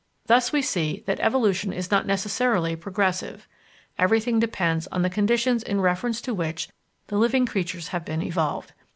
Thus we see that evolution is not necessarily progressive; everything depends on the conditions in reference to which the living creatures have been evolved.